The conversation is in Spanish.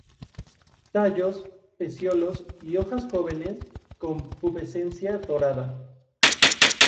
Tallos, pecíolos y hojas jóvenes con pubescencia dorada.